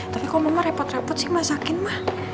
tapi kok mama repot repot sih masakin mah